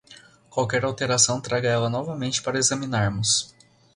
Qualquer alteração traga ela novamente para examinarmos.